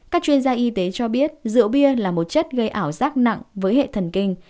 các chuyên gia y tế cho biết rượu bia là một chất gây ảo giác nặng với hệ thần kinh